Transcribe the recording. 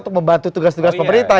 untuk membantu tugas tugas pemerintah